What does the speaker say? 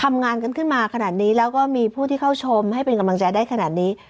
ทำงานกันขึ้นมาขนาดนี้แล้วก็มีผู้ที่เข้าชมให้เป็นกำลังใจได้ขนาดนี้